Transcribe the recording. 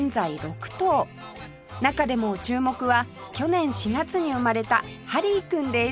中でも注目は去年４月に生まれたハリーくんです